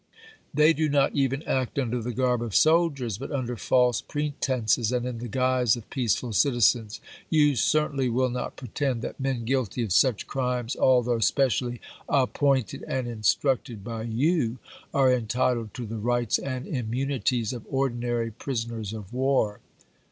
They do not even act under the garb of soldiers, but under false pretenses and in the guise of peaceful citizens. iiaiiffkto ^^^^ certainly will not pretend that men guilty of such j'ui'^2"' crimes, although specially '' appointed and instructed by m I. 'w.'r. you," are entitled to the rights and immunities of ordi Vol. VIII., •''.„^ p. 515. nary prisoners or war.